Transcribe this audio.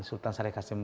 sultan sari kasyim